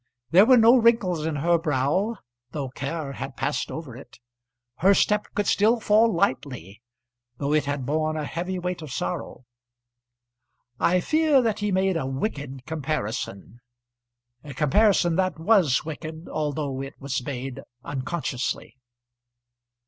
There were no wrinkles in her brow though care had passed over it; her step could still fall lightly, though it had borne a heavy weight of sorrow. I fear that he made a wicked comparison a comparison that was wicked although it was made unconsciously.